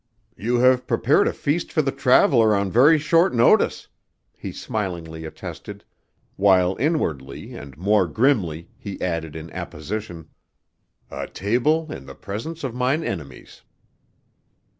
"You have prepared a feast for the traveler on very short notice," he smilingly attested while inwardly and more grimly he added in apposition "'a table in the presence of mine enemies!'"